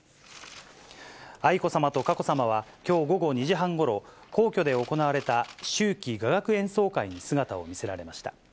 愛子さまと佳子さまはきょう午後２時半ごろ、皇居で行われた秋季雅楽演奏会に姿を見せられました。